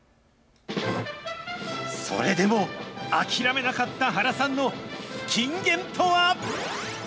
それでも、諦めなかった原さんの金言とは。